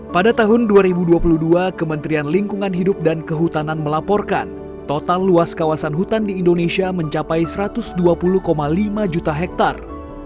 pada tahun dua ribu dua puluh dua kementerian lingkungan hidup dan kehutanan melaporkan total luas kawasan hutan di indonesia mencapai satu ratus dua puluh lima juta hektare